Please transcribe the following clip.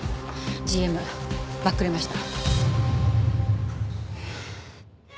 ＧＭバックれました。